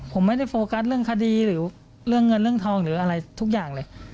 ผมไม่ได้โฟกัสเรื่องคดีหรือเรื่องเงินเรื่องทองหรืออะไรทุกอย่างเลย